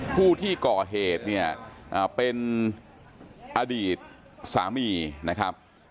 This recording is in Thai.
ผู้ที่ก่อเหตุเนี่ยเป็นอดีตสามีนะครับ